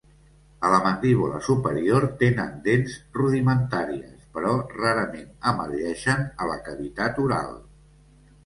A la mandíbula superior tenen dents rudimentàries, però rarament emergeixen a la cavitat oral.